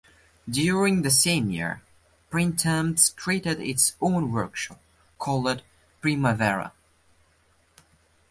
During the same year Printemps created its own workshop called "Primavera".